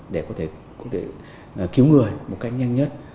để có thể cứu người một cách nhanh nhất